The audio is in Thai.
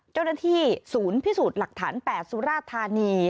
เจ้าหน้าที่ศูนย์พิสูจน์หลักฐาน๘สุราธานี